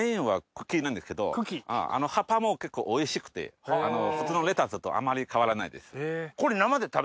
なんですけど葉っぱも結構おいしくて普通のレタスとあまり変わらないです。